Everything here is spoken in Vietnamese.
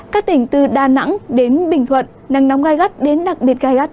các tỉnh từ đà nẵng đến bình thuận nắng nóng gai gắt đến đặc biệt gai gắt